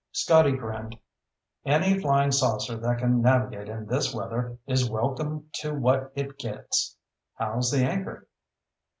Scotty grinned. "Any flying saucer that can navigate in this weather is welcome to what it gets. How's the anchor?"